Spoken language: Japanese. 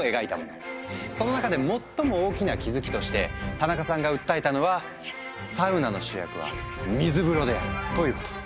その中で最も大きな気付きとしてタナカさんが訴えたのは「サウナの主役は水風呂である」ということ。